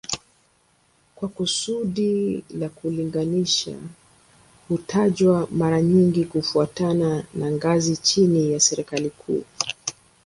Kwa kusudi la kulinganisha hutajwa mara nyingi kufuatana na ngazi chini ya serikali kuu